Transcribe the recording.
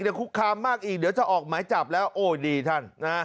ยังคุกคามมากอีกเดี๋ยวจะออกไหมจับแล้วโอ้ยดีท่าน